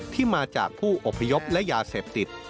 ที่มาจากผู้อพยพและยาเสพติด